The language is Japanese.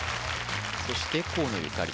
そして河野ゆかり